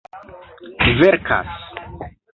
verkas